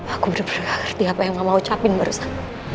aku bener bener gak ngerti apa yang mama ucapin barusan